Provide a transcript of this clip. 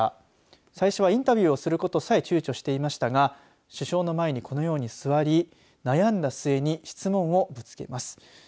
最初はインタビューをすることさえちゅうちょとしていましたが首相の前にこのように座り悩んだ末に質問をぶつけます。